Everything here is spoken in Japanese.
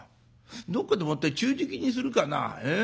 どっかでもって昼食にするかなええ？